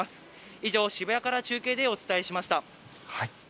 以上、渋谷から中継でお伝えしました。